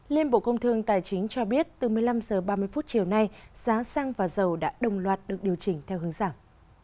liên bộ công thương tài chính cho biết từ một mươi năm h ba mươi chiều nay giá xăng và dầu đã đồng loạt được điều chỉnh theo hướng dạng